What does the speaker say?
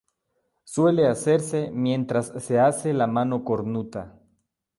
Suele hacerse mientras se hace la mano cornuta.